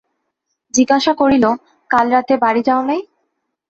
জিজ্ঞাসা করিল, কাল রাত্রে বাড়ি যাও নাই?